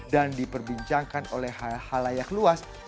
dan diperbincangkan oleh halayak luas